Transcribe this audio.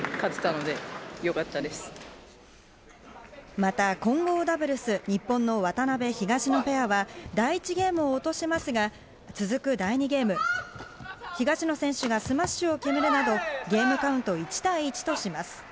また、混合ダブルス、日本の渡辺・東野ペアは第１ゲームを落としますが、続く第２ゲーム、東野選手がスマッシュを決めるなどゲームカウント１対１とします。